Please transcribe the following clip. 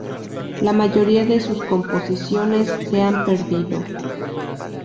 La mayoría de sus composiciones se han perdido.